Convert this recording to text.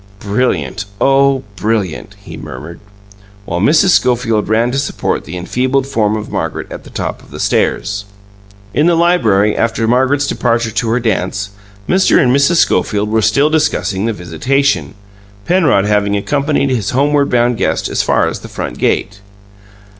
"Brilliant oh, brilliant!" he murmured, while Mrs. Schofield ran to support the enfeebled form of Margaret at the top of the stairs. ... In the library, after Margaret's departure to her dance, Mr. and Mrs. Schofield were still discussing the visitation, Penrod having accompanied his homeward bound guest as far as the front gate.